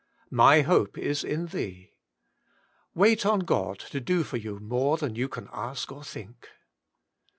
* My hope is in Thee.' Wait on God bo do for you more than you can ask or think.